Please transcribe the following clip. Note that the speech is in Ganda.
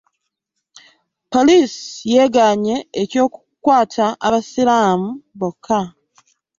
Poliisi yeganye eby'okukwaata abasiraamu boka.